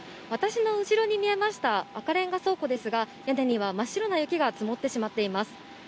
私の後ろに見えました赤レンガ倉庫ですが、屋根には真っ白な雪が積もってしまっています。